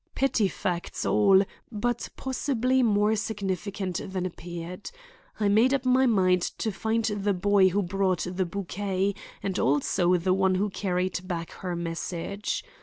Petty facts, all, but possibly more significant than appeared. I made up my mind to find the boy who brought the bouquet and also the one who carried back her message.